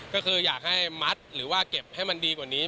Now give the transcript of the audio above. ก็คืออยากให้มัดหรือว่าเก็บให้มันดีกว่านี้